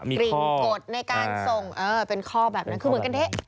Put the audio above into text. กลิ่นกฎในการส่งเออเป็นข้อแบบนั้นคือเหมือนกันเท